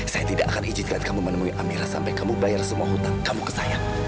saya tidak akan izinkan kamu menemui amira sampai kamu bayar semua hutang kamu ke saya